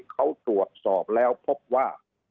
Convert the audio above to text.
เขาตรวจสอบแล้วพบว่า